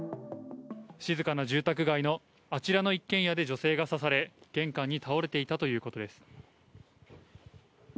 静かな住宅街のあちらの一軒家で女性が刺され、玄関に倒れていたということです。